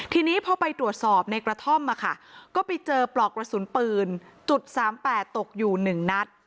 ทีนี้พอไปตรวจสอบในกระท่อมก็ไปเจอปลอกกระสุนปืน๓๘ตกอยู่๑นัด